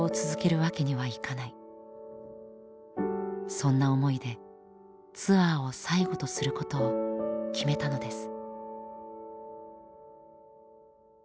そんな思いでツアーを最後とすることを決めたのです。